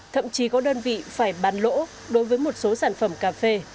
thậm chí có đơn vị phải bán lỗ đối với một số sản phẩm cà phê